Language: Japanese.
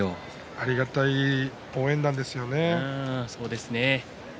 ありがたい応援団ですよね。